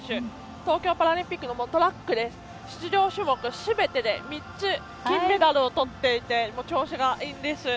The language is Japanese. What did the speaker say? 東京パラリンピックのトラックで出場種目すべてで３つ金メダルをとっていて調子がいいんです。